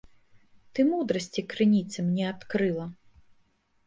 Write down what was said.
Ты мудрасці крыніцы мне адкрыла.